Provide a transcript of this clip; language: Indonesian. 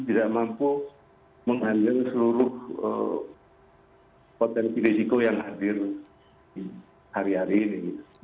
tidak mampu mengandeng seluruh potensi risiko yang hadir di hari hari ini